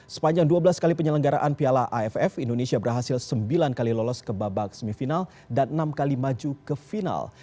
sepanjang dua belas kali penyelenggaraan piala aff indonesia berhasil sembilan kali lolos ke babak semifinal dan enam kali maju ke final